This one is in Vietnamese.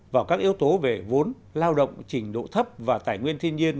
vào các yếu tố về vốn lao động trình độ thấp và tài nguyên thiên nhiên